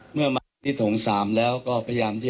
เมื่อมาที่โถง๓แล้วก็พยายามที่